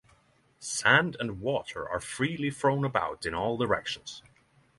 Sand and water are freely thrown about in all directions.